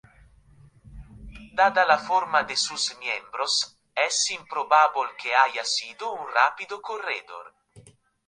Dada la forma de sus miembros, es improbable que haya sido un rápido corredor.